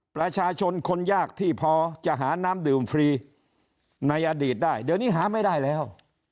ประชาชนคนยากที่พอจะหาน้ำดื่มฟรีในอดีตได้เดี๋ยวนี้หาไม่ได้แล้ว